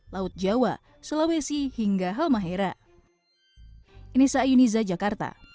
laut jawa sulawesi hingga halmahera